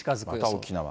また沖縄。